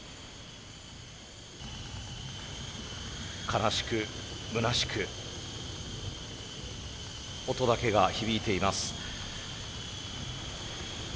悲しくむなしく音だけが響いています。